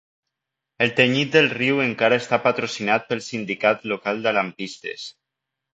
El tenyit del riu encara està patrocinat pel sindicat local de lampistes.